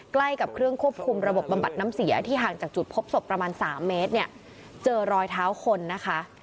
ใกล้กับเครื่องควบคุมระบบบำบัดน้ำเสียที่ห่างจากจุดพบศพประมาณ๓เมตรเนี่ยเจอรอยเท้าคนนะคะ